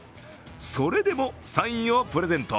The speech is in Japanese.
それでもサインをプレゼント。